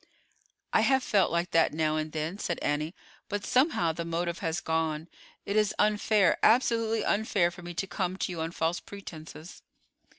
"I have felt like that now and then," said Annie; "but somehow the motive has gone. It is unfair, absolutely unfair, for me to come to you on false pretenses."